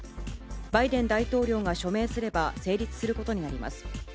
バイデン大統領が署名すれば成立することになります。